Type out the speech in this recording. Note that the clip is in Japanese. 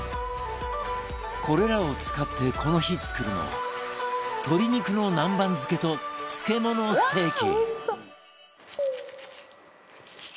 これらを使ってこの日作るのは鶏肉の南蛮漬けと漬物ステーキ